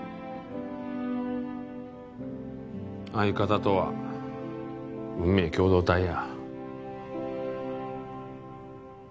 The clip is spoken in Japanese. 相方とは運命共同体や。